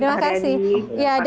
terima kasih pak haryadi